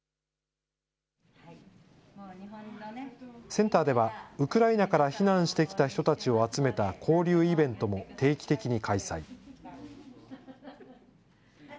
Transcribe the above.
センターでは、ウクライナから避難してきた人たちを集めた交流イベントも定期的に開催。